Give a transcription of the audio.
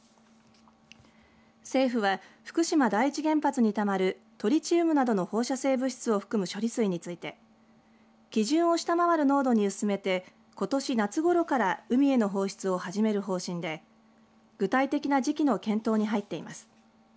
政府は福島第一原発にたまるトリチウムなどの放射性物質を含む処理水について基準を下回る濃度に薄めてことし夏ごろから海への放出を始める方針で具体的な時期の検討に入っています。